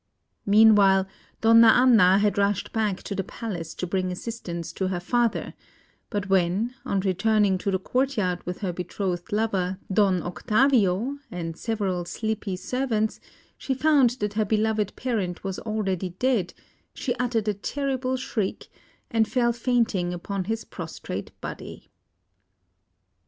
Meanwhile, Donna Anna had rushed back to the palace to bring assistance to her father; but when, on returning to the courtyard with her betrothed lover, Don Octavio, and several sleepy servants, she found that her beloved parent was already dead, she uttered a terrible shriek, and fell fainting upon his prostrate body.